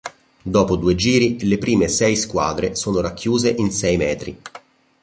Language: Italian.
Dopo due giri le prime sei squadre sono racchiuse in sei metri.